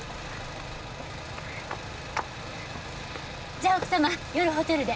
じゃあ奥様夜ホテルで。